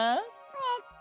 えっと。